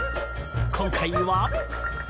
今回は。